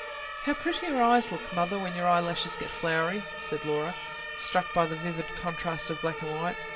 "How pretty your eyes look, mother, when your eyelashes get floury!" said Laura, struck by the vivid contrast of black and white.